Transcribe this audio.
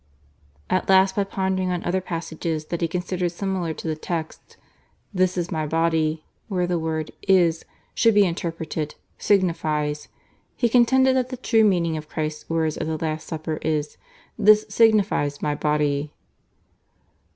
At last by pondering on other passages that he considered similar to the text "This is My body," where the word "is" should be interpreted "signifies," he contended that the true meaning of Christ's words at the Last Supper is, "This signifies My body."